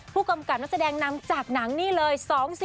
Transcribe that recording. ผู้กำกับนักแสดงนำจากหนังนี่เลย